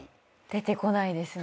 出てこないですね。